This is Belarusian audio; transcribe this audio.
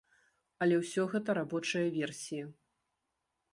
Але ўсё гэта рабочыя версіі.